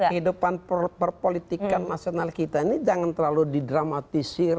kehidupan perpolitikan nasional kita ini jangan terlalu didramatisir